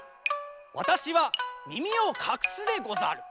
わたしはみみをかくすでござる。